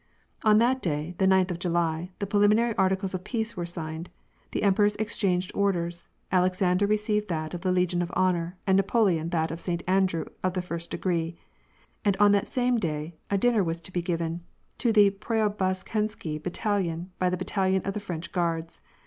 On that day, the ninth of July, the preliminary articles of peace were signed ; the emperors exchanged orders, Alexander received that of the Legion of Honor, and Napoleon that of Saint Andrew of the first degree; and on that same day a dinner was to be given to the Preobrazhensky battalion by the battalion of the French Guards.